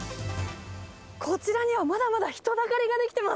こちらにはまだまだ人だかりが出来てます。